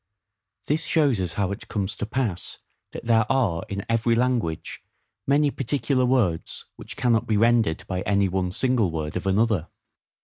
This shows us how it comes to pass that there are in every language many particular words which cannot be rendered by any one single word of another.